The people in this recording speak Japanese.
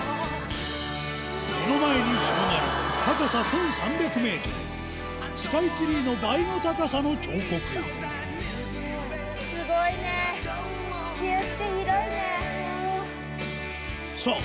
目の前に広がる高さ１３００ｍスカイツリーの倍の高さの峡谷さぁ